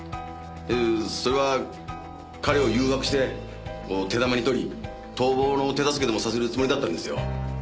えそれは彼を誘惑して手玉に取り逃亡の手助けでもさせるつもりだったんですよ。